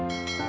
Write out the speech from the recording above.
terima kasih ya